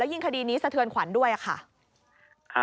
ยิ่งคดีนี้สะเทือนขวัญด้วยค่ะ